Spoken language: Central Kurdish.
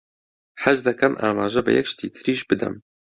حەز دەکەم ئاماژە بە یەک شتی تریش بدەم.